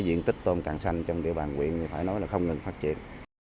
diện tích tôm càng xanh trong địa bàn quyền không ngừng phát triển